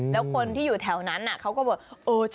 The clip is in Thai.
แล้วคนที่อยู่แถวนั้นเขาก็บอก